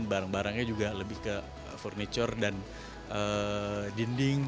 barang barangnya juga lebih ke furniture dan dinding